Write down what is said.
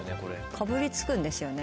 かぶりつくんですよね？